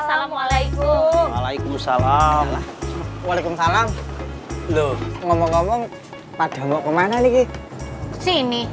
assalamualaikum waalaikumsalam waalaikumsalam loh ngomong ngomong pada mau kemana lagi sini